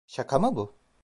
Şaka mı bu?